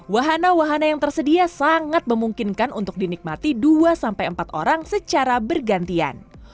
wahana wahana yang tersedia sangat memungkinkan untuk dinikmati dua empat orang secara bergantian